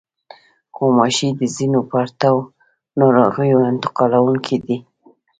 غوماشې د ځینو پرتو ناروغیو انتقالوونکې دي.